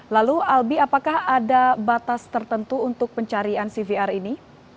lalu albi apakah ada batas tertentu untuk pencarian cvr ini